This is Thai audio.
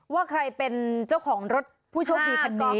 ว่าใครเป็นเจ้าของรถผู้โชคดีคันนี้